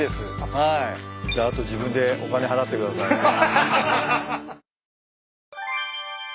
じゃああと自分でお金払ってください。